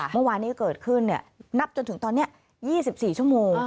เมื่อวานนี้เกิดขึ้นนับจนถึงตอนนี้๒๔ชั่วโมง